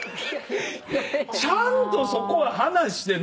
ちゃんとそこは話して。